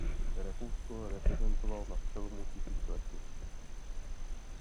Rakousko reprezentoval na přelomu tisíciletí.